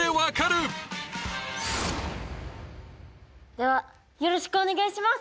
ではよろしくお願いします！